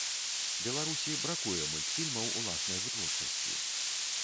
Беларусі бракуе мультфільмаў уласнай вытворчасці.